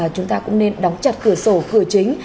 chúng ta cũng nên đóng chặt cửa sổ cửa chính